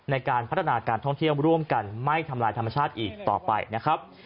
ในการพัฒนาการท่องเที่ยวร่วมกันไม่ทำลายธรรมชาติอีกต่อไปนะครับ